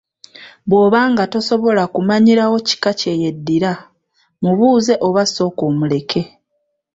Bw’obanga tosobola kumanyirawo kika kye yeddira mubuuze oba sooka omuleke.